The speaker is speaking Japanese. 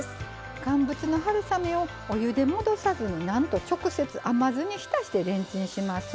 乾物の春雨をお湯で戻さずになんと直接甘酢に浸してレンチンします。